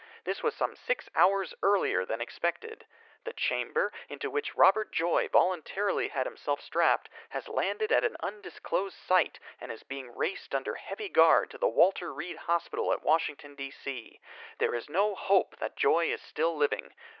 This was some six hours earlier than expected. The chamber, into which Robert Joy voluntarily had himself strapped, has landed at an undisclosed site and is being raced under heavy guard to the Walter Reed Hospital at Washington, D. C. There is no hope that Joy is still living.